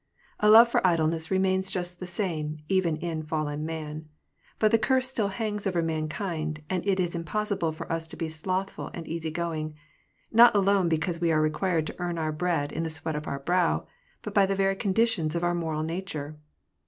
A love for idleness remains just the same, even in fallen man ; but the curse still hangs over mankind, and it is impossible for us to be slothful and easy going : not alone because we are required to earn our bread in the sweat of our brow, but by the very conditions of our moral nature.